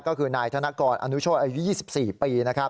ก็คือนายธนกรอนุโชธอายุ๒๔ปี